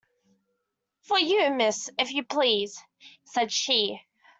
"For you, miss, if you please," said she.